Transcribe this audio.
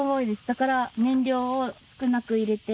だから燃料を少なく入れて。